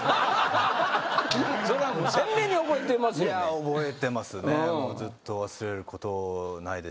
覚えてますね。